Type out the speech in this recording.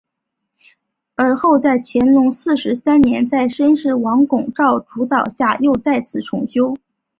而后在乾隆四十三年在士绅王拱照主导下又再次重修。